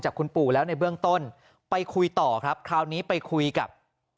คุณปู่แล้วในเบื้องต้นไปคุยต่อครับคราวนี้ไปคุยกับ